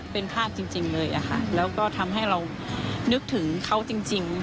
เป็นภาพจริงเลยค่ะแล้วก็ทำให้เรานึกถึงเขาจริง